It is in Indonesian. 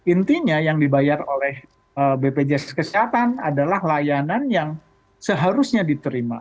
intinya yang dibayar oleh bpjs kesehatan adalah layanan yang seharusnya diterima